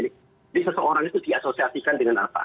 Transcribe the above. jadi seseorang itu diasosiasikan dengan apa